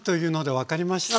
分かりました？